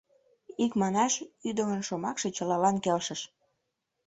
Икманаш, ӱдырын шомакше чылалан келшыш.